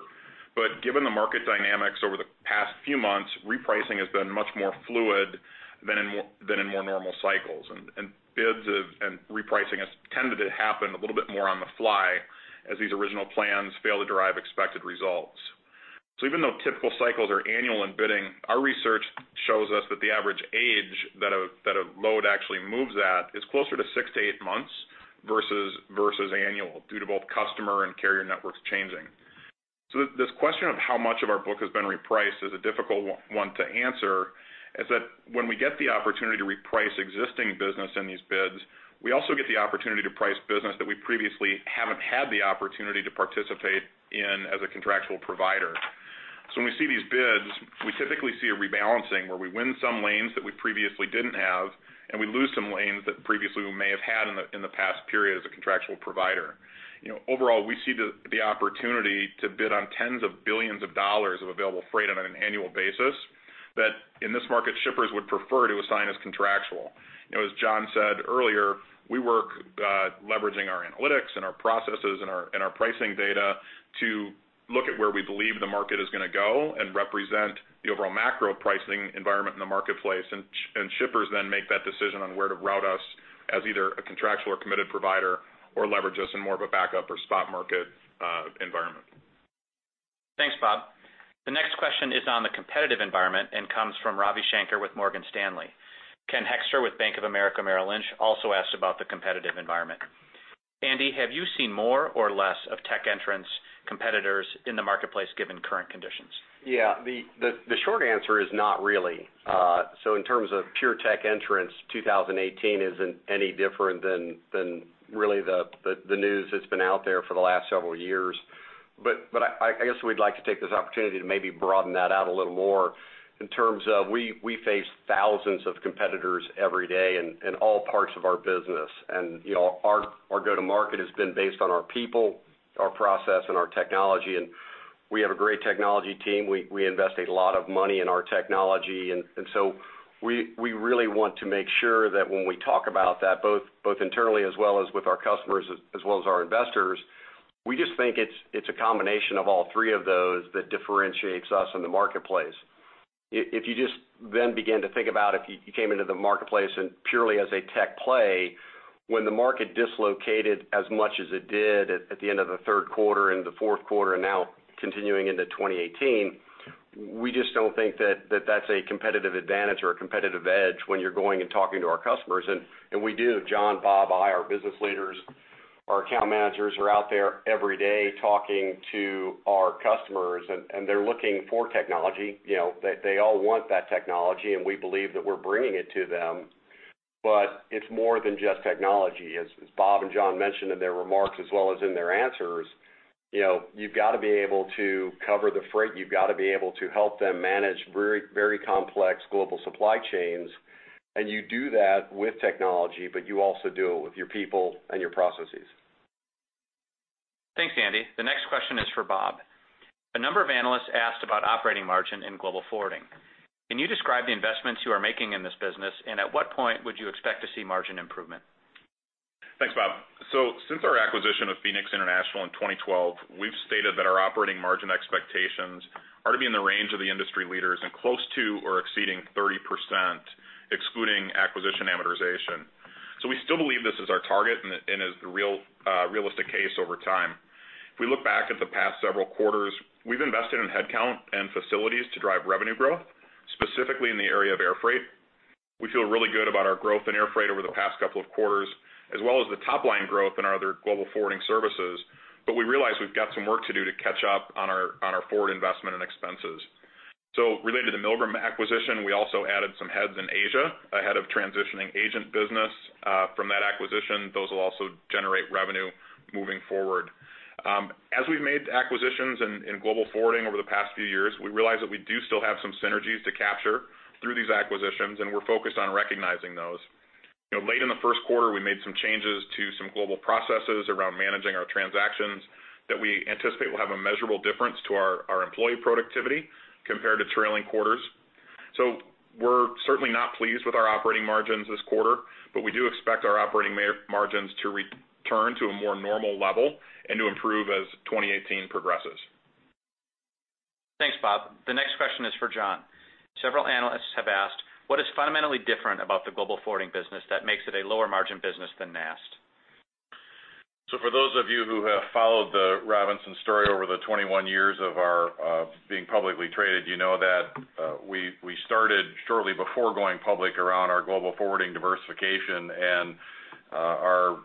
but given the market dynamics over the past few months, repricing has been much more fluid than in more normal cycles, and bids and repricing has tended to happen a little bit more on the fly as these original plans fail to drive expected results. Even though typical cycles are annual in bidding, our research shows us that the average age that a load actually moves at is closer to six to eight months versus annual, due to both customer and carrier networks changing. This question of how much of our book has been repriced is a difficult one to answer, as that when we get the opportunity to reprice existing business in these bids, we also get the opportunity to price business that we previously haven't had the opportunity to participate in as a contractual provider. When we see these bids, we typically see a rebalancing where we win some lanes that we previously didn't have, and we lose some lanes that previously we may have had in the past period as a contractual provider. Overall, we see the opportunity to bid on tens of billions of dollars of available freight on an annual basis. That in this market, shippers would prefer to assign as contractual. John said earlier, we work leveraging our analytics and our processes and our pricing data to look at where we believe the market is going to go and represent the overall macro pricing environment in the marketplace, and shippers then make that decision on where to route us as either a contractual or committed provider or leverage us in more of a backup or spot market environment. Thanks, Bob. The next question is on the competitive environment and comes from Ravi Shanker with Morgan Stanley. Ken Hoexter with Bank of America Merrill Lynch also asked about the competitive environment. Andy, have you seen more or less of tech entrants competitors in the marketplace given current conditions? The short answer is not really. In terms of pure tech entrants, 2018 isn't any different than really the news that's been out there for the last several years. I guess we'd like to take this opportunity to maybe broaden that out a little more in terms of we face thousands of competitors every day in all parts of our business. Our go-to-market has been based on our people, our process, and our technology, and we have a great technology team. We invest a lot of money in our technology, we really want to make sure that when we talk about that, both internally as well as with our customers as well as our investors, we just think it's a combination of all three of those that differentiates us in the marketplace. If you just then begin to think about if you came into the marketplace and purely as a tech play, when the market dislocated as much as it did at the end of the third quarter and the fourth quarter, and now continuing into 2018, we just don't think that that's a competitive advantage or a competitive edge when you're going and talking to our customers. We do. John, Bob, I, our business leaders, our account managers are out there every day talking to our customers, and they're looking for technology. They all want that technology, and we believe that we're bringing it to them. It's more than just technology. As Bob and John mentioned in their remarks as well as in their answers, you've got to be able to cover the freight, you've got to be able to help them manage very complex global supply chains, and you do that with technology, but you also do it with your people and your processes. Thanks, Andy. The next question is for Bob. A number of analysts asked about operating margin in Global Forwarding. Can you describe the investments you are making in this business, and at what point would you expect to see margin improvement? Thanks, Bob. Since our acquisition of Phoenix International in 2012, we've stated that our operating margin expectations are to be in the range of the industry leaders in close to or exceeding 30%, excluding acquisition amortization. We still believe this is our target and is the realistic case over time. If we look back at the past several quarters, we've invested in headcount and facilities to drive revenue growth, specifically in the area of air freight. We feel really good about our growth in air freight over the past couple of quarters, as well as the top-line growth in our other Global Forwarding services. We realize we've got some work to do to catch up on our forward investment and expenses. Related to Milgram acquisition, we also added some heads in Asia, a head of transitioning agent business from that acquisition. Those will also generate revenue moving forward. As we've made acquisitions in Global Forwarding over the past few years, we realize that we do still have some synergies to capture through these acquisitions, and we're focused on recognizing those. Late in the first quarter, we made some changes to some global processes around managing our transactions that we anticipate will have a measurable difference to our employee productivity compared to trailing quarters. We're certainly not pleased with our operating margins this quarter, but we do expect our operating margins to return to a more normal level and to improve as 2018 progresses. Thanks, Bob. The next question is for John. Several analysts have asked, what is fundamentally different about the Global Forwarding business that makes it a lower margin business than NAST? For those of you who have followed the Robinson story over the 21 years of our being publicly traded, you know that we started shortly before going public around our Global Forwarding diversification and our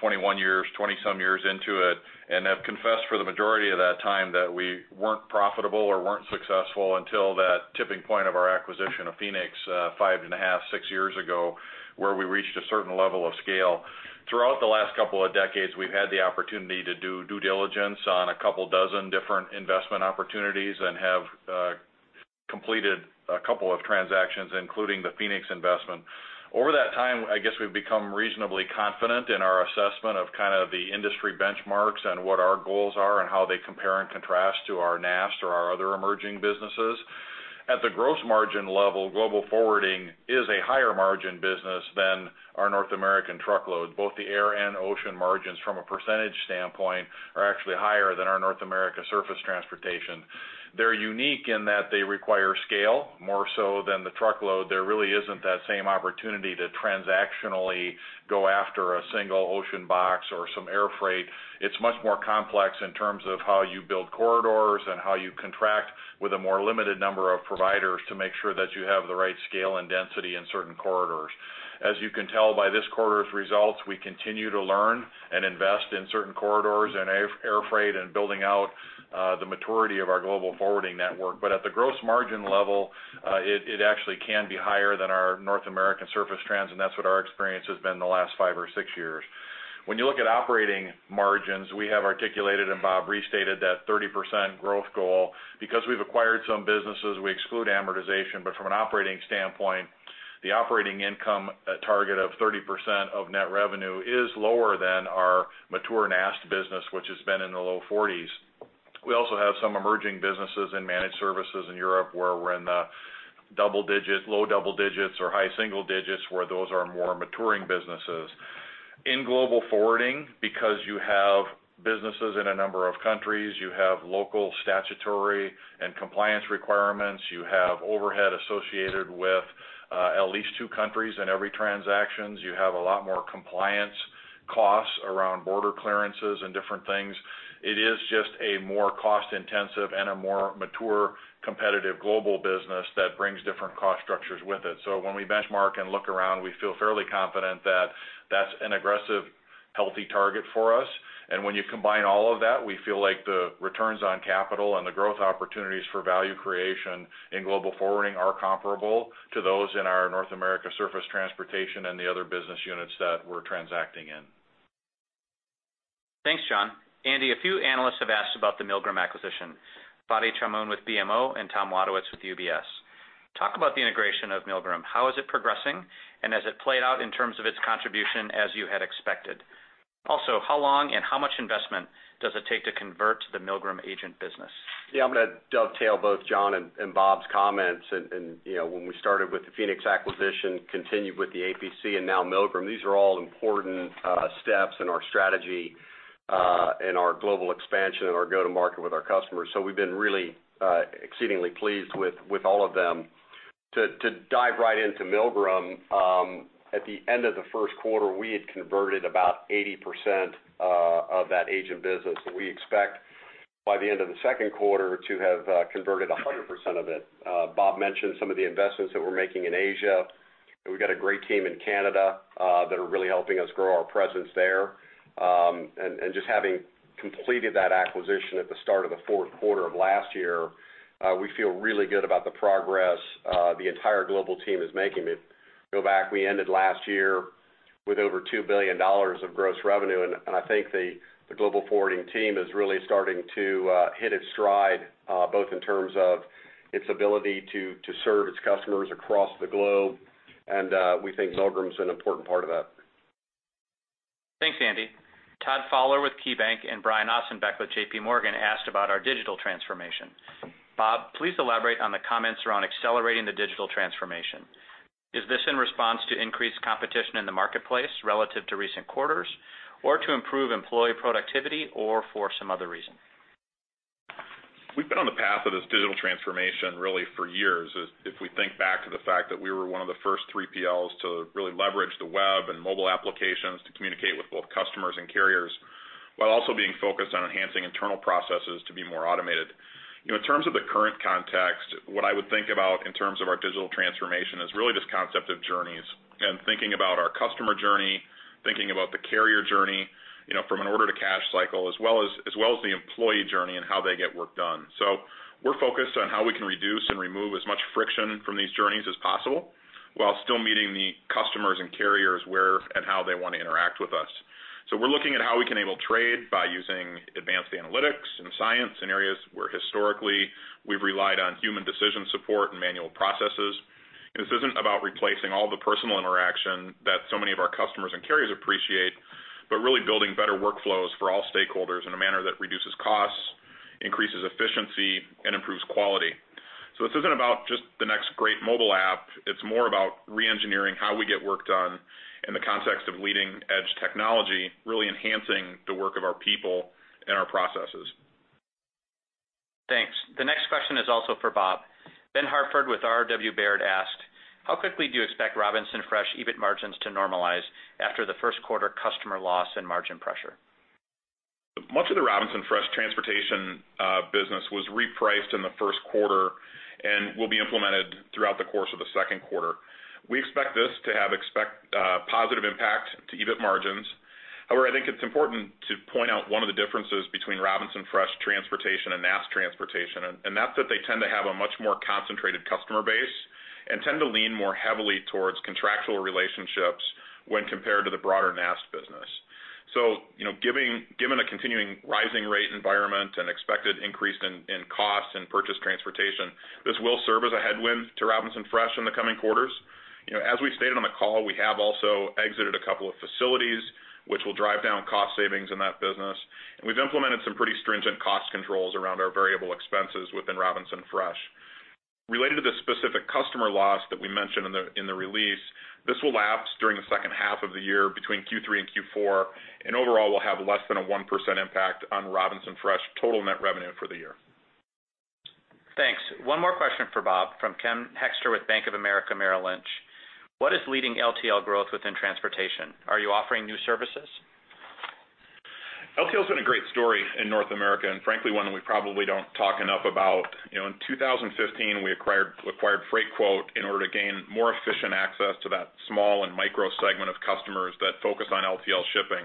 21 years, 20 some years into it, and have confessed for the majority of that time that we weren't profitable or weren't successful until that tipping point of our acquisition of Phoenix, five and a half, six years ago, where we reached a certain level of scale. Throughout the last couple of decades, we've had the opportunity to do due diligence on a couple dozen different investment opportunities, and have completed a couple of transactions, including the Phoenix investment. Over that time, I guess we've become reasonably confident in our assessment of kind of the industry benchmarks and what our goals are and how they compare and contrast to our NAST or our other emerging businesses. At the gross margin level, Global Forwarding is a higher margin business than our North American truckload. Both the air and ocean margins from a percentage standpoint are actually higher than our North American Surface Transportation. They're unique in that they require scale more so than the truckload. There really isn't that same opportunity to transactionally go after a single ocean box or some air freight. It's much more complex in terms of how you build corridors and how you contract with a more limited number of providers to make sure that you have the right scale and density in certain corridors. As you can tell by this quarter's results, we continue to learn and invest in certain corridors and air freight and building out the maturity of our Global Forwarding network. At the gross margin level, it actually can be higher than our North American Surface Trans, and that's what our experience has been the last five or six years. When you look at operating margins, we have articulated, and Bob restated that 30% growth goal. Because we've acquired some businesses, we exclude amortization. From an operating standpoint, the operating income target of 30% of net revenue is lower than our mature NAST business, which has been in the low 40s. We also have some emerging businesses in managed services in Europe, where we're in the low double digits or high single digits, where those are more maturing businesses. In Global Forwarding, because you have businesses in a number of countries, you have local statutory and compliance requirements, you have overhead associated with at least two countries in every transactions. You have a lot more compliance costs around border clearances and different things. It is just a more cost-intensive and a more mature, competitive global business that brings different cost structures with it. When we benchmark and look around, we feel fairly confident that that's an aggressive, healthy target for us. When you combine all of that, we feel like the returns on capital and the growth opportunities for value creation in Global Forwarding are comparable to those in our North American Surface Transportation and the other business units that we're transacting in. Thanks, John. Andy, a few analysts have asked about the Milgram acquisition. Fadi Chamoun with BMO and Tom Wadewitz with UBS. Talk about the integration of Milgram. How is it progressing, and has it played out in terms of its contribution as you had expected? Also, how long and how much investment does it take to convert the Milgram agent business? I'm going to dovetail both John and Bob's comments. When we started with the Phoenix acquisition, continued with the APC and now Milgram, these are all important steps in our strategy, in our global expansion, and our go to market with our customers. We've been really exceedingly pleased with all of them. To dive right into Milgram, at the end of the first quarter, we had converted about 80% of that agent business, and we expect by the end of the second quarter to have converted 100% of it. Bob mentioned some of the investments that we're making in Asia, and we've got a great team in Canada that are really helping us grow our presence there. Just having completed that acquisition at the start of the fourth quarter of last year, we feel really good about the progress the entire global team is making. To go back, we ended last year with over $2 billion of gross revenue, I think the Global Forwarding team is really starting to hit its stride, both in terms of its ability to serve its customers across the globe, and we think Milgram's an important part of that. Thanks, Andy. Todd Fowler with KeyBanc and Brian Ossenbeck with J.P. Morgan asked about our digital transformation. Bob, please elaborate on the comments around accelerating the digital transformation. Is this in response to increased competition in the marketplace relative to recent quarters, or to improve employee productivity, or for some other reason? We've been on the path of this digital transformation really for years. If we think back to the fact that we were one of the first 3PLs to really leverage the web and mobile applications to communicate with both customers and carriers, while also being focused on enhancing internal processes to be more automated. In terms of the current context, what I would think about in terms of our digital transformation is really this concept of journeys and thinking about our customer journey, thinking about the carrier journey, from an order to cash cycle, as well as the employee journey and how they get work done. We're focused on how we can reduce and remove as much friction from these journeys as possible, while still meeting the customers and carriers where and how they want to interact with us. We're looking at how we can enable trade by using advanced analytics and science in areas where historically we've relied on human decision support and manual processes. This isn't about replacing all the personal interaction that so many of our customers and carriers appreciate, but really building better workflows for all stakeholders in a manner that reduces costs, increases efficiency, and improves quality. This isn't about just the next great mobile app. It's more about re-engineering how we get work done in the context of leading-edge technology, really enhancing the work of our people and our processes. Thanks. The next question is also for Bob. Ben Hartford with R.W. Baird asked, "How quickly do you expect Robinson Fresh EBIT margins to normalize after the first quarter customer loss and margin pressure? Much of the Robinson Fresh transportation business was repriced in the first quarter and will be implemented throughout the course of the second quarter. We expect this to have a positive impact to EBIT margins. I think it's important to point out one of the differences between Robinson Fresh transportation and NAST transportation, and that's that they tend to have a much more concentrated customer base. Tend to lean more heavily towards contractual relationships when compared to the broader NAST business. Given a continuing rising rate environment and expected increase in cost and purchase transportation, this will serve as a headwind to Robinson Fresh in the coming quarters. As we stated on the call, we have also exited a couple of facilities, which will drive down cost savings in that business, and we've implemented some pretty stringent cost controls around our variable expenses within Robinson Fresh. Related to the specific customer loss that we mentioned in the release, this will lapse during the second half of the year between Q3 and Q4. Overall will have less than a 1% impact on Robinson Fresh total net revenue for the year. Thanks. One more question for Bob from Ken Hoexter with Bank of America Merrill Lynch. What is leading LTL growth within transportation? Are you offering new services? LTL's been a great story in North America, and frankly, one that we probably don't talk enough about. In 2015, we acquired Freightquote in order to gain more efficient access to that small and micro segment of customers that focus on LTL shipping.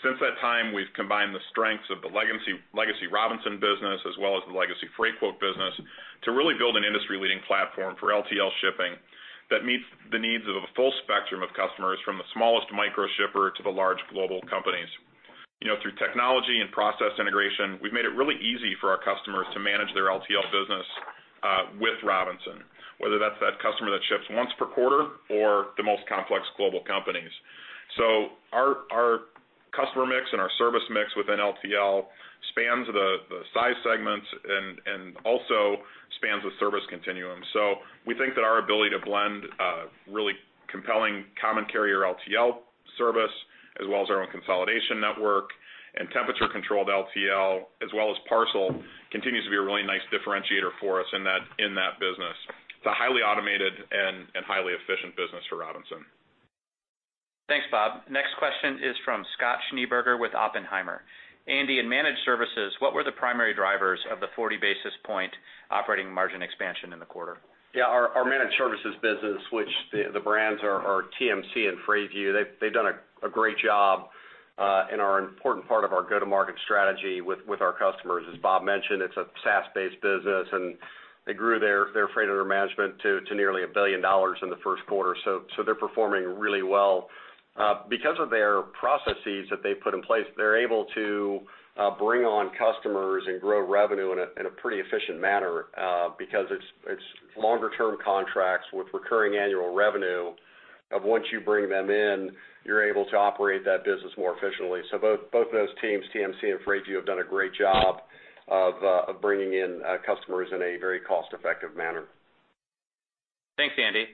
Since that time, we've combined the strengths of the legacy Robinson business, as well as the legacy Freightquote business, to really build an industry-leading platform for LTL shipping that meets the needs of a full spectrum of customers, from the smallest micro shipper to the large global companies. Through technology and process integration, we've made it really easy for our customers to manage their LTL business, with Robinson, whether that's that customer that ships once per quarter or the most complex global companies. Our customer mix and our service mix within LTL spans the size segments and also spans the service continuum. We think that our ability to blend really compelling common carrier LTL service, as well as our own consolidation network and temperature-controlled LTL, as well as parcel, continues to be a really nice differentiator for us in that business. It's a highly automated and highly efficient business for Robinson. Thanks, Bob. Next question is from Scott Schneeberger with Oppenheimer. Andy, in managed services, what were the primary drivers of the 40 basis point operating margin expansion in the quarter? Our managed services business, which the brands are TMC and Freightview, they've done a great job, and are an important part of our go-to-market strategy with our customers. As Bob mentioned, it's a SaaS-based business, and they grew their freight under management to nearly $1 billion in the first quarter. They're performing really well. Of their processes that they've put in place, they're able to bring on customers and grow revenue in a pretty efficient manner. It's longer-term contracts with recurring annual revenue of once you bring them in, you're able to operate that business more efficiently. Both those teams, TMC and Freightview, have done a great job of bringing in customers in a very cost-effective manner. Thanks, Andy.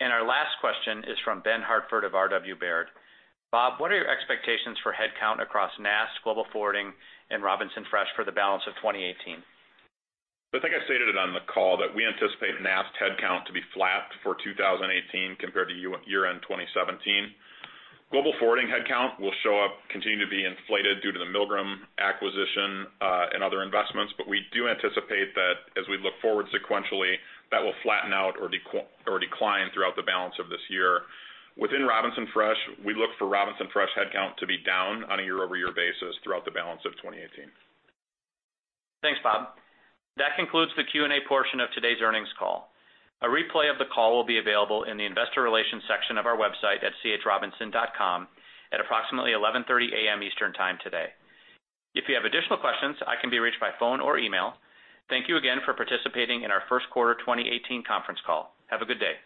Our last question is from Ben Hartford of RW Baird. Bob, what are your expectations for headcount across NAST, Global Forwarding, and Robinson Fresh for the balance of 2018? I think I stated it on the call that we anticipate NAST headcount to be flat for 2018 compared to year-end 2017. Global Forwarding headcount will show up continuing to be inflated due to the Milgram acquisition and other investments. We do anticipate that as we look forward sequentially, that will flatten out or decline throughout the balance of this year. Within Robinson Fresh, we look for Robinson Fresh headcount to be down on a year-over-year basis throughout the balance of 2018. Thanks, Bob. That concludes the Q&A portion of today's earnings call. A replay of the call will be available in the investor relations section of our website at chrobinson.com at approximately 11:30 A.M. Eastern Time today. If you have additional questions, I can be reached by phone or email. Thank you again for participating in our first quarter 2018 conference call. Have a good day.